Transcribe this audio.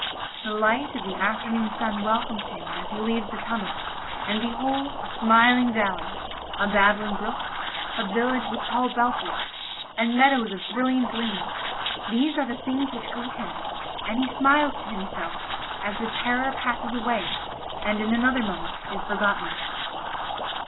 the light of the afternoon sun welcomes him as he leaves the tunnel, and behold a smiling valley—a babbling brook, a village with tall belfries, and meadows of brilliant green—these are the things which greet him, and he smiles to himself as the terror passes away and in another moment is forgotten.